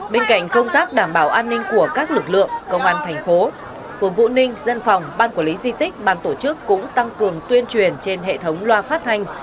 bên cạnh công tác đảm bảo an ninh của các lực lượng công an thành phố phường vũ ninh dân phòng ban quản lý di tích ban tổ chức cũng tăng cường tuyên truyền trên hệ thống loa phát thanh